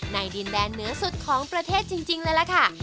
ดินแดนเหนือสุดของประเทศจริงเลยล่ะค่ะ